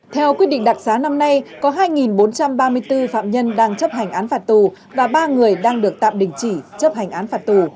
theo quyết định đặc xá năm nay có hai bốn trăm ba mươi bốn phạm nhân đang chấp hành án phạt tù và ba người đang được tạm đình chỉ chấp hành án phạt tù